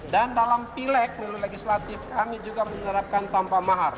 dan dalam pilek legislatif kami juga menerapkan tanpa mahar